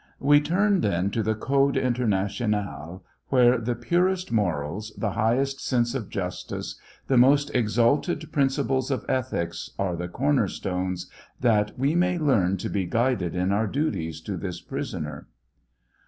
We turn then to the code international, where the purest morals, the highest sense of justice, the most exalted principles of ethics, are the corner stones, that we may learn tobe guided in our duties to this prisoner.